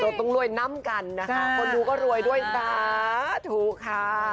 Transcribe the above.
จะต้องรวยน้ำกันนะคะคนดูก็รวยด้วยค่ะถูกค่ะ